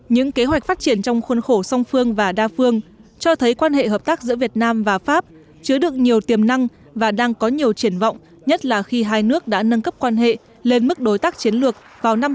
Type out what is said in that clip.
những kế hoạch phát triển trong khuôn khổ song phương và đa phương cho thấy quan hệ hợp tác giữa việt nam và pháp chứa được nhiều tiềm năng và đang có nhiều triển vọng nhất là khi hai nước đã nâng cấp quan hệ lên mức đối tác chiến lược vào năm hai nghìn ba mươi